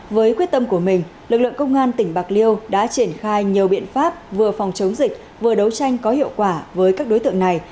với quyết tâm của mình lực lượng công an tỉnh bạc liêu đã triển khai nhiều biện pháp vừa phòng chống dịch vừa đấu tranh có hiệu quả với các đối tượng này